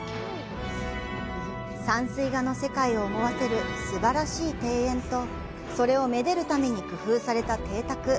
山水画の世界を思わせるすばらしい庭園とそれをめでるために工夫された邸宅。